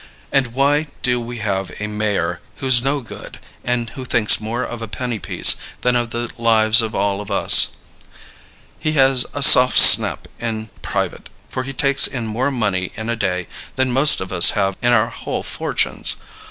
And why do we have a mayor who's no good and who thinks more of a penny piece than of the lives of all of us? He has a soft snap in private, for he takes in more money in a day than most of us have in our whole fortunes.